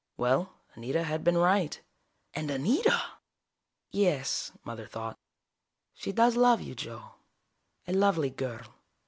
Well, Anita had been right. And Anita! Yes, Mother thought. _She does love you, Joe. A lovely girl.